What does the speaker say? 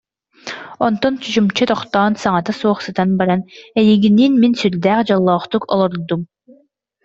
Онтон чочумча тохтоон, саҥата суох сытан баран: «Эйигинниин мин сүрдээх дьоллоохтук олордум